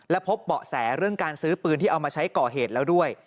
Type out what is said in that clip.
และพบเบาะแสเรื่องการซื้อปืนที่เอามาใช้ก่อเหตุแล้วด้วย